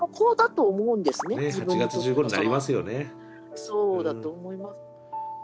そうだと思います。